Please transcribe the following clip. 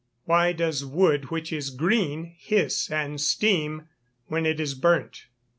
_Why does wood which is "green" hiss and steam when it is burnt?